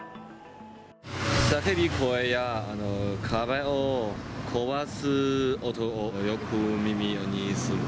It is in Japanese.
叫び声や壁を壊す音、よく耳にする。